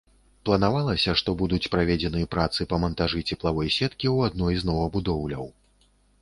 Планавалася, што будуць праведзены працы па мантажы цеплавой сеткі ў адной з новабудоўляў.